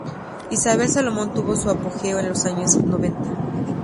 Isabel Salomón tuvo su apogeo en los años noventa.